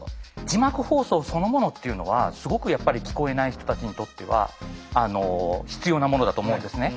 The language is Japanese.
字幕放送そのものっていうのはすごくやっぱり聞こえない人たちにとっては必要なものだと思うんですね。